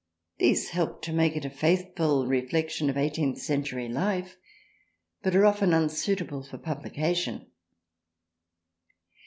These help to make it a faithful reflection of eighteenth century life, but are often unsuitable for publication.